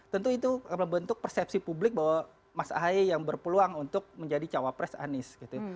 tentu itu membentuk persepsi publik bahwa mas ahy yang berpeluang untuk menjadi cawapres anies gitu